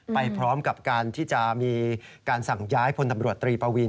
ไปพร้อมกับการที่จะมีการสั่งย้ายพลตำรวจตรีปวีน